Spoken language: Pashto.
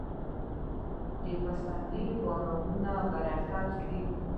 د پسرلي بارانونه برکت دی.